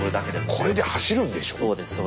これで走るんでしょ？